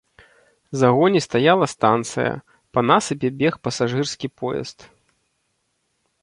За гоні стаяла станцыя, па насыпе бег пасажырскі поезд.